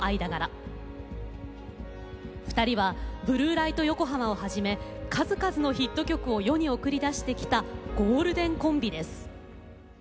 ２人は「ブルー・ライト・ヨコハマ」をはじめ数々のヒット曲を世に送り出してきたゴールデンコンビです。